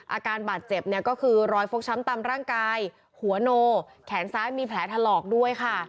อาการบาดเจ็บเนี่ยก็คือรอยฟกช้ำตามร่างกายหัวโนแขนซ้ายมีแผลถลอกด้วยค่ะ